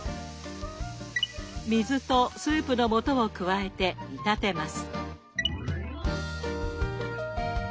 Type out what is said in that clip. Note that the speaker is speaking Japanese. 水とスープの素を加えて煮立てます。